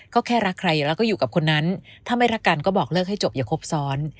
ก็แค่รักใครแล้วก็อยู่กับคนนั้นถ้าไม่รักกันก็บอกเลิกให้จบอย่าครบซ้อน